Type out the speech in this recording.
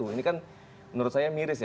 ini kan menurut saya miris ya